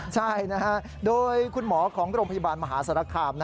ใช่โดยคุณหมอของโรงพยาบาลมหาศาลกรรม